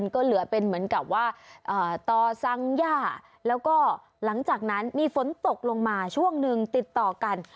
ก็เหลือเป็นเหมือนกับว่าต่อสังย่าแล้วก็หลังจากนั้นมีฝนตกลงมาช่วงหนึ่งติดต่อกัน